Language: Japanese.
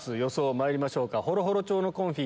まいりましょうか。